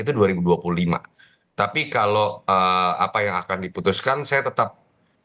tapi kalau apa yang akan diputuskan saya tetap melihat kemarin itu ada kondisi kondisi yang terjadi di negara negara